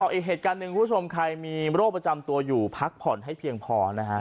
อีกเหตุการณ์หนึ่งคุณผู้ชมใครมีโรคประจำตัวอยู่พักผ่อนให้เพียงพอนะฮะ